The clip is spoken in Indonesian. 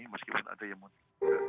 meskipun ada yang mudik